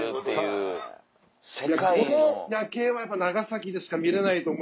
この夜景はやっぱ長崎でしか見れないと思います。